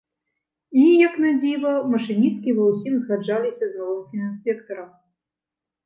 І, як надзіва, машыністкі ва ўсім згаджаліся з новым фінінспектарам.